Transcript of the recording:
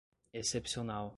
excepcional